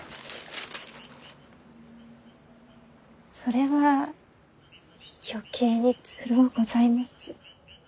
それは余計につろうございます。